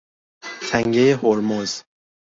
تنگهی هرمز